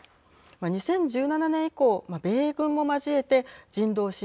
２０１７年以降、米軍も交えて人道支援